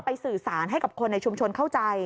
สื่อสารให้กับคนในชุมชนเข้าใจ